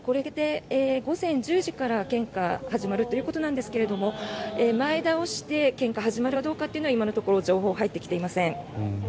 午前１０時から献花が始まるということなんですが前倒して献花が始まるかどうかというのは今のところ情報は入ってきていません。